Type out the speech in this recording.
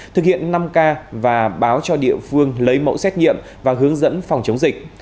thực hiện năm k và báo cho địa phương lấy mẫu xét nghiệm và hướng dẫn phòng chống dịch